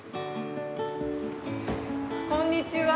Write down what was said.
こんにちは。